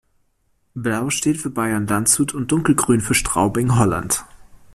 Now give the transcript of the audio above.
Blau steht für Bayern-Landshut und dunkelgrün für Straubing-Holland.